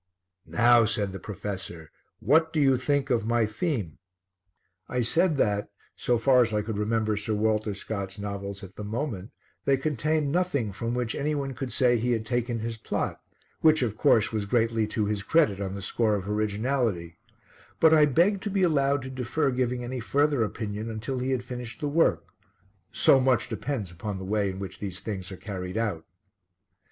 "Now," said the professor, "what do you think of my theme?" I said that, so far as I could remember Sir Walter Scott's novels at the moment, they contained nothing from which any one could say he had taken his plot which, of course, was greatly to his credit on the score of originality, but I begged to be allowed to defer giving any further opinion until he had finished the work; so much depends upon the way in which these things are carried out.